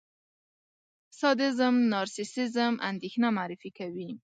سادېزم، نارسېسېزم، اندېښنه معرفي کوي.